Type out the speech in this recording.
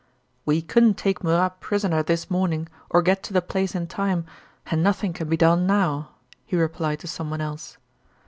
"We couldn't take Murat prisoner this morning or get to the place in time, and nothing can be done now!" he replied to someone else.